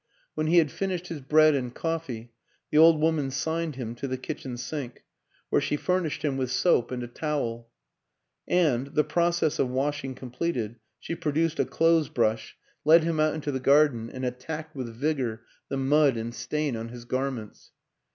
When he had fin ished his bread and coffee the old woman signed him to the kitchen sink, where she furnished him with soap and a towel; and, the process of wash ing completed, she produced a clothes brush, led WILLIAM AN ENGLISHMAN 177 him out into the garden and attacked with vigor the mud and stain on his garments.